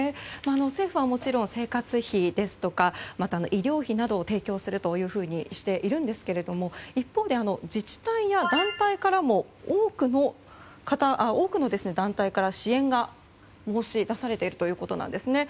政府はもちろん生活費ですとかまた医療費などを提供するとしているんですが一方で、自治体や団体からも多くの団体から支援が申し出されているということです。